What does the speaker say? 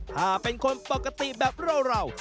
ถ้าเป็นคนปกติแบบเรา